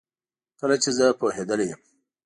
کله چي زه پوهیدلې یم